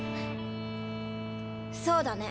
そうだね。